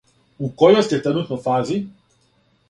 У којој сте тренутно фази?